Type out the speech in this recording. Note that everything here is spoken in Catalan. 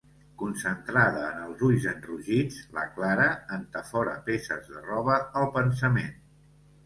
Concentrada en el ulls enrogits, la Clara entafora peces de roba al pensament.